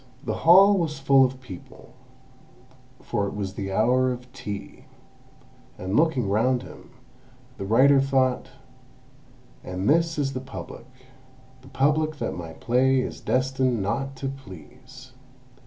The hall was full of people, for it was the hour of tea; and looking round him, the writer thought "And this is the Public—the Public that my play is destined not to please!"